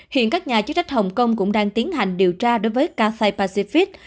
hiện các nhà chức trách hồng kông cũng đang tiến hành điều tra đối với cathay pacific